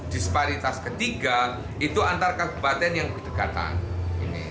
disparitas ketiga itu antara kabupaten yang berdekatan